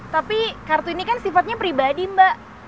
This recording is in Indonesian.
tapi kartu ini kan sifatnya pribadi mbak